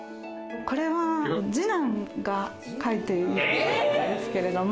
これは二男が描いているんですけれども。